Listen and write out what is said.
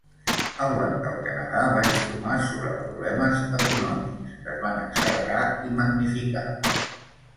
El Banc del Canadà va informar sobre problemes econòmics que es van accelerar i magnificar.